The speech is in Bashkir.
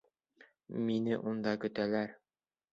Мине унда көтәләр.